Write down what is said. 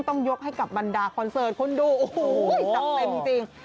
ต้องยกให้กับบรรดาคอนเสิร์ตคนดูโอ้โหจัดเต็มจริง